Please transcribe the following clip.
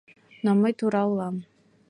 Но мый тура улам.